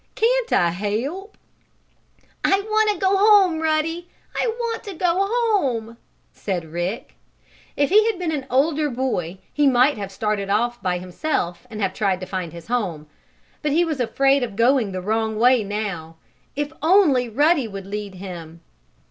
Can't I help?" "I want to go home, Ruddy! I want to go home!" said Rick. If he had been an older boy he might have started off by himself and have tried to find his home. But he was afraid of going the wrong way now. If only Ruddy would lead him!